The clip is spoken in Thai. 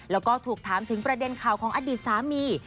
แล้วก็ถูกถามถึงประเด็นข่าวของอดีตสามี